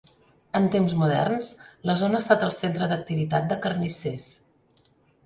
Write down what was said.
En temps moderns, la zona ha estat el centre d'activitat de carnissers.